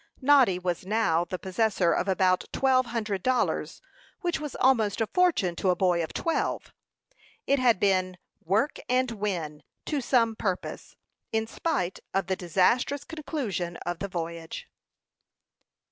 Noddy was now the possessor of about twelve hundred dollars, which was almost a fortune to a boy of twelve. It had been "work and win" to some purpose, in spite of the disastrous conclusion of the voyage.